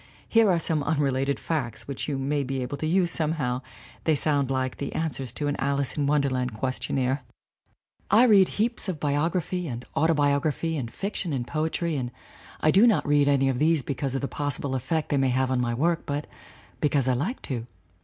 Here are some unrelated facts which you may be able to use somehow they sound like the an swers to an Alice in Wonderland questionnaire.) "I read heaps of biography and autobiography and fiction and poetry, and I do not read any of these be SOPHIE KERR 231 cause of the possible effect they may have on my work, but because I like to.